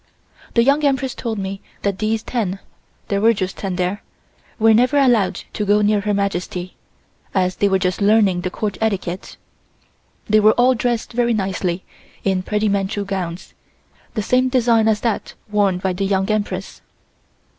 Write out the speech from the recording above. The Young Empress told me that these ten (there were just ten there) were never allowed to go near Her Majesty, as they were just learning the court etiquette. They were all dressed very nicely in pretty Manchu gowns, the same design as that worn by the Young Empress.